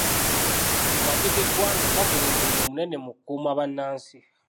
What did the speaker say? Amaggye g'eggwanga gakola omulimu munene mu kukuuma bannansi.